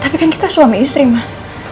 tapi kan kita suami istri mas